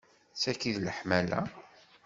D taki i d leḥmala?